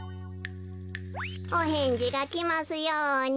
おへんじがきますように。